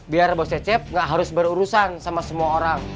biar bos cecep nggak harus berurusan sama semua orang